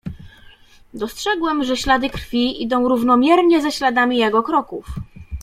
"Dostrzegłem, że ślady krwi idą równomiernie ze śladami jego kroków."